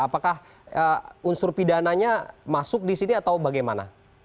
apakah unsur pidananya masuk di sini atau bagaimana